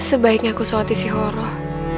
sebaiknya aku sholat isi horoh